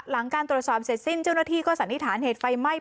หลังการตรวจสอบเสร็จสิ้นเจ้าหน้าที่ก็สันนิษฐานเหตุไฟไหม้